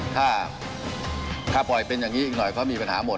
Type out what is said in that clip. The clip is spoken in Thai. ถ้าปล่อยเป็นอย่างนี้อีกหน่อยเขามีปัญหาหมด